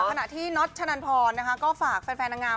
ขณะที่น็อตชะนันพรนะคะก็ฝากแฟนนางงาม